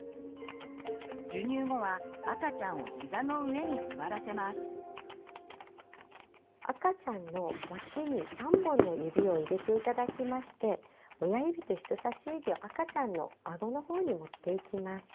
授乳後は赤ちゃんの脇に３本の指を入れて頂きまして親指と人さし指を赤ちゃんのあごの方に持っていきます。